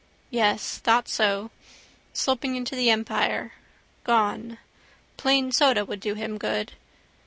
Yes. Thought so. Sloping into the Empire. Gone. Plain soda would do him good.